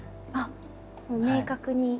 明確に。